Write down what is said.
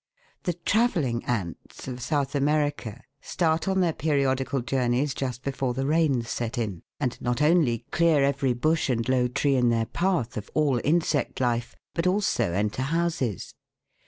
The " travelling ants " of South America start on their periodical journeys just before the rains set in, and not only clear every bush and low tree in their path of all TRAVELLING ANTS. 2 eg insect life, but also enter houses.